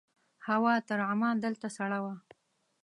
هوا تر عمان دلته سړه وه.